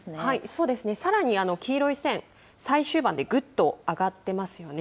そうですね、さらに黄色い線、最終盤でぐっと上がってますよね。